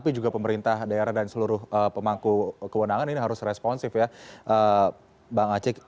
tapi juga pemerintah daerah dan seluruh pemangku kewenangan ini harus responsif ya bang acik